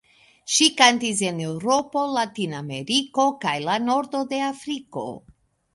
Ŝi kantis en Eŭropo, Latinameriko kaj la nordo de Afriko.